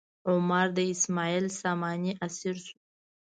عمر د اسماعیل ساماني اسیر شو.